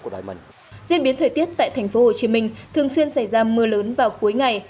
diễn biến thời tiết tại tp hcm thường xuyên xảy ra mưa lớn vào cuối ngày